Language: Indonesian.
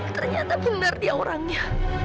ternyata benar dia orangnya